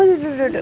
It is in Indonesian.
oh duduk duduk